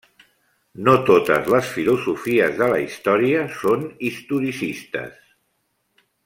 No totes les filosofies de la història són historicistes.